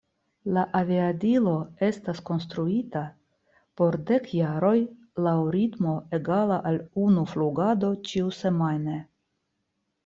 La aviadilo estas konstruita por dek jaroj laŭ ritmo egala al unu flugado ĉiusemajne.